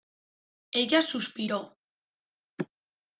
ella suspiró: